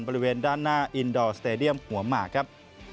บริเวณด้านหน้าอินดอร์สเตดียมหัวหมากครับ